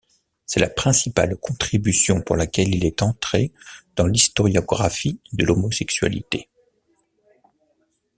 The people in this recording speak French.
C’est la principale contribution pour laquelle il est entré dans l’historiographie de l’homosexualité.